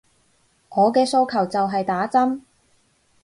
我嘅訴求就係打針